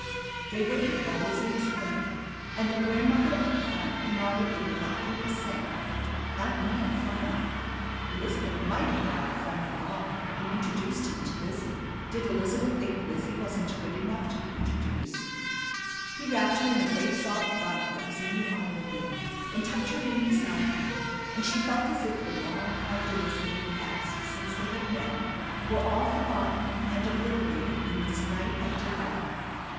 They waited while Lizzie explained, and the grandmother and aunt nodded a reluctant assent. Aunt Nan frowned. Elizabeth might have brought her friend along, and introduced him to Lizzie. Did Elizabeth think Lizzie wasn't good enough to be introduced? He wrapped her in a great soft rug that was in the automobile, and tucked her in beside him; and she felt as if the long, hard days that had passed since they had met were all forgotten and obliterated in this night of delight.